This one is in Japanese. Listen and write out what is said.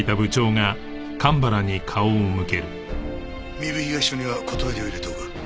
壬生東署には断りを入れておく。